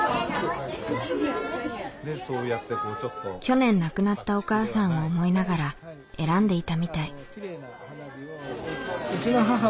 去年亡くなったお母さんを思いながら選んでいたみたい。